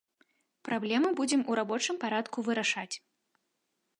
Праблему будзем у рабочым парадку вырашаць.